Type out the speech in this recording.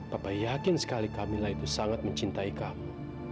pak yakin sekali camilla itu sangat mencintai kamu